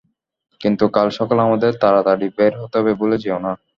কিন্তু কাল সকালে আমাদের তারাতাড়ি বের হতে হবে, ভুলে যেও না।